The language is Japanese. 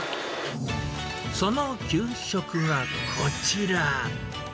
その給食がこちら。